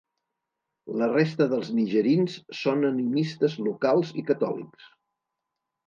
La resta dels nigerins són animistes locals i catòlics.